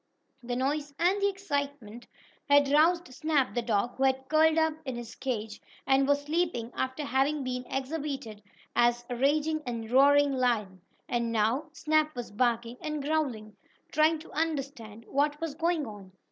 The noise and the excitement had roused Snap, the dog, who had curled up in his cage and was sleeping, after having been exhibited as a raging and roaring lion, and now Snap was barking and growling, trying to understand what was going on.